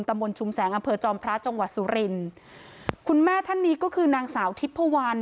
มนต์ชุมแสงอำเภอจอมพระจังหวัดสุรินทร์คุณแม่ท่านนี้ก็คือนางสาวทิพพวัน